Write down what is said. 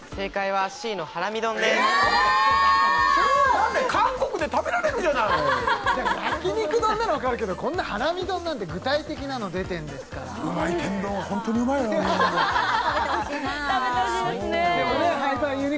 何で韓国で食べられるじゃないだから焼き肉丼なら分かるけどこんなハラミ丼なんて具体的なの出てんですからうまい天丼はホントにうまいよ日本の食べてほしいなあ食べてほしいですねでもねＨｉ−ＦｉＵｎ！